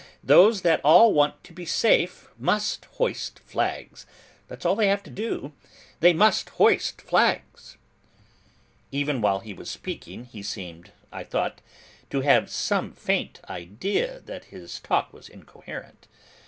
Those that want to be safe, must hoist flags. That's all they'll have to do. They must hoist flags.' Even while he was speaking he seemed, I thought, to have some faint idea that his talk was incoherent.